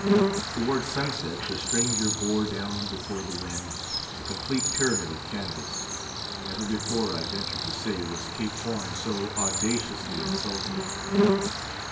Toward sunset the stranger bore down before the wind, a complete pyramid of canvas. Never before, I venture to say, was Cape Horn so audaciously insulted.